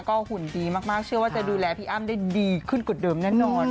ก็หุ่นดีมากเชื่อว่าจะดูแลพี่อ้ำได้ดีขึ้นกว่าเดิมแน่นอน